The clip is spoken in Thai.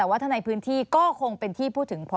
สวัสดีครับ